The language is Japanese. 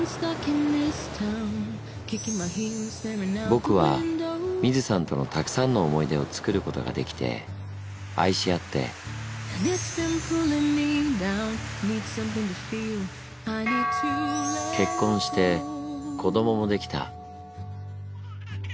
僕はミズさんとのたくさんの思い出を作ることができて愛し合って結婚して子どももできた。